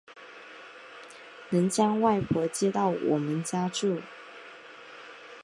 能将外婆接到我们家住